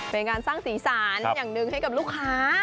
เป็นการสร้างสีสันอย่างหนึ่งให้กับลูกค้า